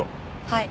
はい。